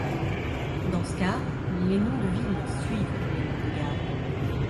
Dans ce cas, les noms de ville suivent les noms de gare.